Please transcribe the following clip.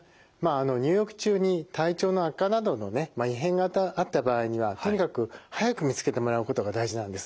入浴中に体調の悪化などのね異変があった場合にはとにかく早く見つけてもらうことが大事なんです。